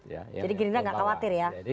jadi gini gak khawatir ya